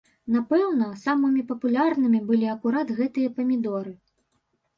Напэўна, самымі папулярнымі былі акурат гэтыя памідоры.